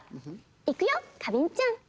いくよ花びんちゃん！